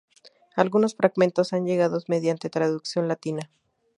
Algunos fragmentos han llegados mediante traducción latina.